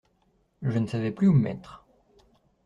Je ne savais plus où me mettre.